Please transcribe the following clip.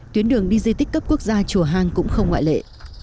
tuyến đường đi di tích cấp quốc gia chùa hàng cũng không ngoại lệ